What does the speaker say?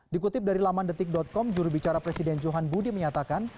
dikutip dari lamandetik com jurubicara presiden johan budi menyatakan